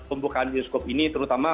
pembukaan bioskop ini terutama